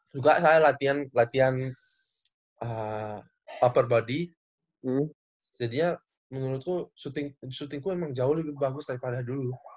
juga saya latihan upper body jadi menurutku syutingku jauh lebih bagus daripada dulu